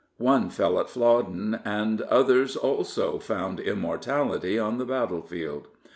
One fell at Flodden, and others also found immortality on the battlefield.